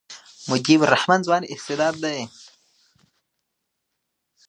مجيب الرحمن ځوان استعداد دئ.